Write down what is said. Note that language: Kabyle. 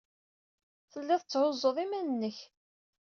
Telliḍ tetthuzzuḍ iman-nnek.